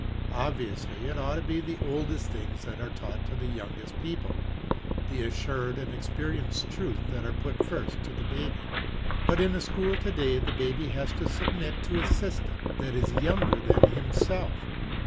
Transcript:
Obviously, it ought to be the oldest things that are taught to the youngest people; the assured and experienced truths that are put first to the baby. But in a school to day the baby has to submit to a system that is younger than himself.